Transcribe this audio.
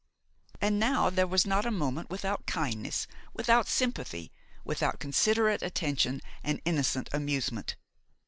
And now there was not a moment without kindness, without sympathy, without considerate attention and innocent amusement.